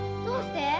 どうして？